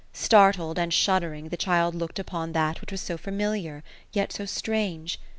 Startled, and shuddering, the child look ed upon that which was so familiar, yet so strange.